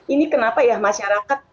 ini kenapa ya masyarakat